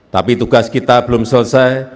tapi tugas kita belum selesai